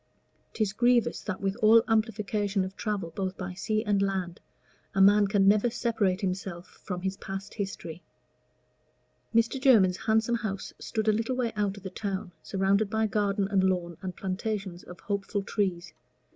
'Tis grievous that with all amplification of travel both by sea and land, a man can never separate himself from his past history. Mr. Jermyn's handsome house stood a little way out of the town, surrounded by garden and lawn and plantations of hopeful trees.